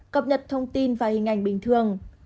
cập nhật thông tin và hình ảnh bình thường